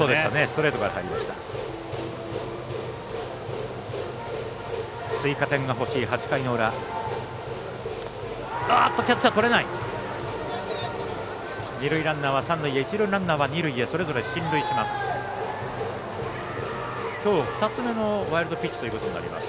それぞれ進塁します。